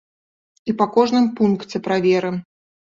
І па кожным пункце праверым.